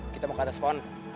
kita mau ke atas pohon